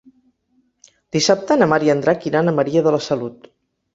Dissabte na Mar i en Drac iran a Maria de la Salut.